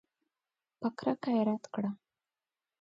په کرکه یې رد کړه.